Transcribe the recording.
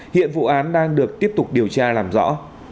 hiện vụ án đang được tiếp tục điều tra làm rõ